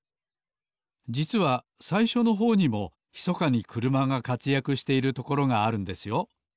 じつはさいしょのほうにもひそかにくるまがかつやくしているところがあるんですよ